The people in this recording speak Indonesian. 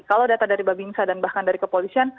kalau data dari babinsa dan bahkan dari kepolisian